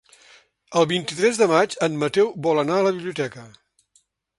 El vint-i-tres de maig en Mateu vol anar a la biblioteca.